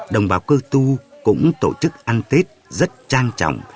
đồng bào cơ tu cũng tổ chức ăn tết rất trang trọng